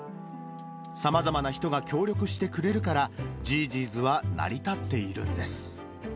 さまざまな人が協力してくれるから、じぃーじぃーずは成り立っているんです。